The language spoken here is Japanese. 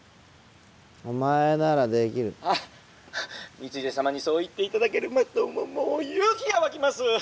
光秀様にそう言って頂けるともう勇気が湧きます！